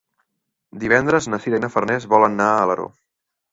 Divendres na Sira i na Farners volen anar a Alaró.